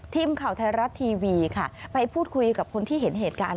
ทีมข่าวไทยรัฐทีวีค่ะไปพูดคุยกับคนที่เห็นเหตุการณ์